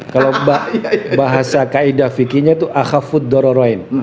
kalau bahasa kaedah fikinya itu akhafud dororain